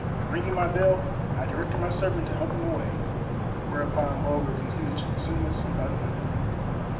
Ringing my bell, I directed my servant to hunt them away. Whereupon Bulger consented to resume his seat by the window.